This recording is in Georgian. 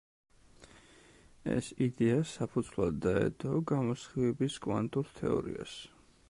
ეს იდეა საფუძვლად დაედო გამოსხივების კვანტურ თეორიას.